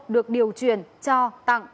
được điều chuyển cho tặng